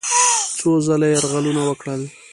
څو ځله یې یرغلونه وکړل.